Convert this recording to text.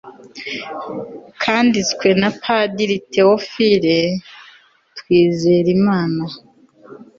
kanditswe na padiri théophile twizelimana